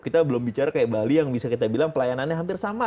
kita belum bicara kayak bali yang bisa kita bilang pelayanannya hampir sama